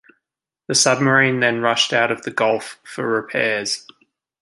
The submarine then rushed out of the Gulf for repairs.